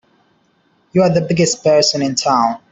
You're the biggest person in town!